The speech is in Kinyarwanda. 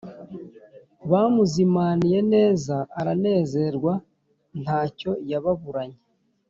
bamuzimaniye neza aranezerwa ntacyo yababuranye